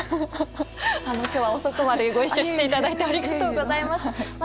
今日は遅くまでご一緒していただいてありがとうございました。